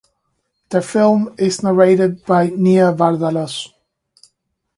The film is narrated by Nia Vardalos.